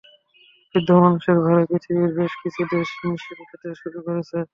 বৃদ্ধ মানুষের ভারে পৃথিবীর বেশ কিছু দেশ হিমশিম খেতে শুরু করেছে।